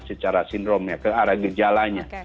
secara sindrom ya ke arah gejalanya